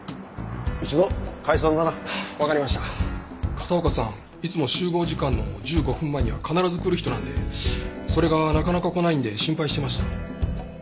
片岡さんいつも集合時間の１５分前には必ず来る人なんでそれがなかなか来ないんで心配してました。